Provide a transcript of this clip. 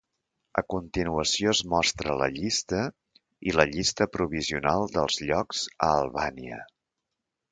A continuació es mostra la llista i la llista provisional dels llocs a Albània.